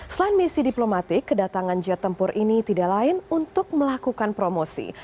selain misi diplomatik kedatangan jet tempur ini tidak lain untuk melakukan promosi